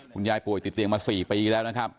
ป่วยติดเตียงมา๔ปีแล้วนะครับ